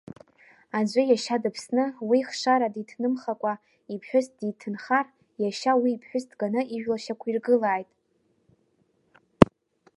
Аӡәы иашьа дыԥсны уи хшара диҭнымхакәа иԥҳәыс диҭынхар, иашьа уи иԥҳәыс дганы ижәла шьақәиргылааит.